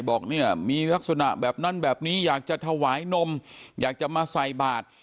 บอกเนี่ยมีลักษณะแบบนั้นแบบนี้อยากจะถวายนมอยากจะมาใส่บาท